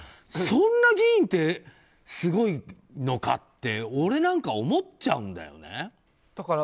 そんな議員ってすごいのかって俺なんかは思っちゃうんだよね。